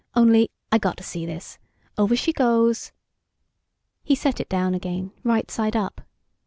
"Only, I got to see this. Over she goes." He set it down again, right side up.